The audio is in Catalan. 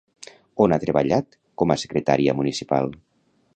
On ha treballat com a secretària municipal?